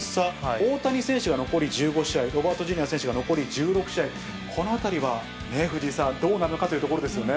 大谷選手が残り１５試合、ロバートＪｒ．選手が残り１６試合、このあたりはねぇ、藤井さん、どうなるのかというところですよね。